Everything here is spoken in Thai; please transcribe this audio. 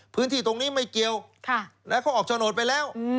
พื้นที่ตรงนี้ไม่เกี่ยวเขาออกโฉนดไปแล้ว